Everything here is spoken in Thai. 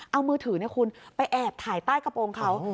เอามือถือคุณไปแอบถ่ายใต้กระโปรงเขา